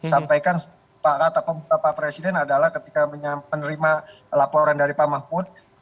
sampaikan pak rata pemuda pak presiden adalah ketika menerima laporan dari pak mahmud